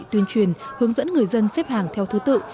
tuyên truyền hướng dẫn người dân xếp hàng theo thứ tự